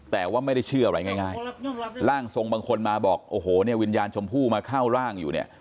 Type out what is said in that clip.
แต่ว่าไม่ได้เชื่ออะไรง่ายร่างทรงบางคนมาบอกโอ้โหเนี่ยวิญญาณชมพู่มาเข้าร่างอยู่เนี่ย